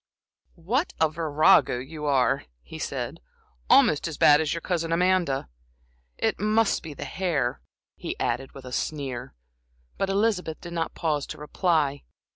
"What a virago you are!" he said, "almost as bad as your cousin Amanda. It must be the hair," he added, with a sneer, but Elizabeth did not pause to reply.